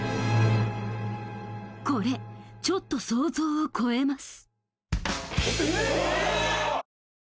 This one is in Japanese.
これちょっと想像を超えます